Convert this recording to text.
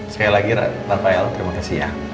sekali lagi rafael terimakasih ya